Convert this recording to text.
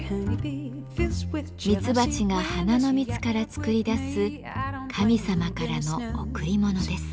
ミツバチが花の蜜から作り出す「神様からの贈り物」です。